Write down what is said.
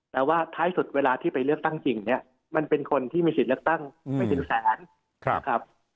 แต่ว่าท้ายสุดเวลาที่ไปเลือกตั้งจริงเนี่ยมันเป็นคนที่มีสิทธิ์เลือกตั้งไม่ถึงแสนนะครับ